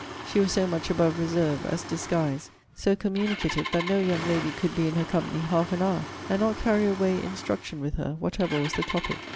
She was so much above reserve as disguise. So communicative that no young lady could be in her company half an hour, and not carry away instruction with her, whatever was the topic.